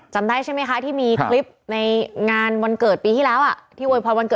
จำได้ใช่ไหมที่มีคลิปมายกอลวัลเกิร์ตปีค่ะกำลังไนโนก